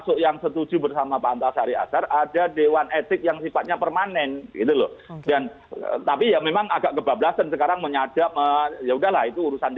saya berharap malah kemudian meningkatkan kepercayaan